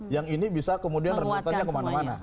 yang ini bisa kemudian rebutannya kemana mana